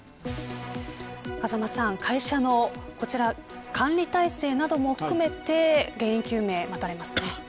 風間さん会社の管理体制なども含めて原因究明、待たれますね。